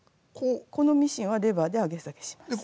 このミシンはレバーで上げ下げします。